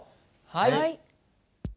はい。